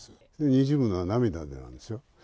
にじむのは涙でなんですよ、